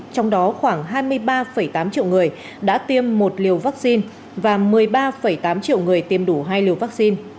trong đó khoảng hai mươi ba tám triệu người đã tiêm một liều vaccine và một mươi ba tám triệu người tiêm đủ hai liều vaccine